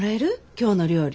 「きょうの料理」。